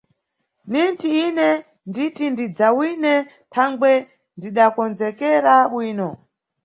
Ninti ine nditi ndidzawine thangwe ndidakondzekera bwino.